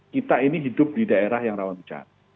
kita ini hidup di daerah yang rawan bencana